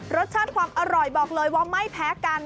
รสชาติความอร่อยบอกเลยว่าไม่แพ้กัน